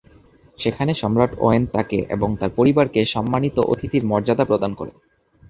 সেখানে সম্রাট ওয়েন তাকে এবং তার পরিবারকে সম্মানিত অতিথির মর্যাদা প্রদান করেন।